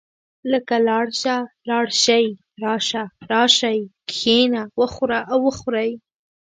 لکه لاړ شه، لاړ شئ، راشه، راشئ، کښېنه، وخوره او وخورئ.